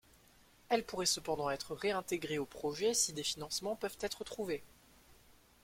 Elle pourrait cependant être réintégrée au projet si des financements peuvent être trouvés.